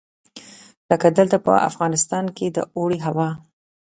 لکه دلته په افغانستان کې د اوړي هوا.